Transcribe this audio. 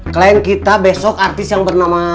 klien kita besok artis yang bernama